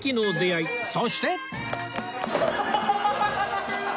そして